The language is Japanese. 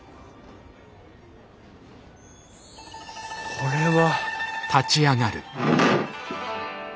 これは。